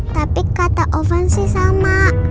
tapi kata ovan sih sama